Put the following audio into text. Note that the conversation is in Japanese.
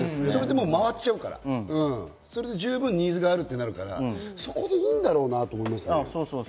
それでもう回っちゃうから、それで十分ニーズがあるとなるから、そこでいいんだろうなと思いますね。